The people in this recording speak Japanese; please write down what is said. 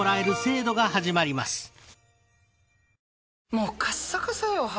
もうカッサカサよ肌。